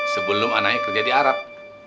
sebelum anaknya kerja di arab